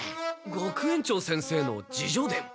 学園長先生の自叙伝？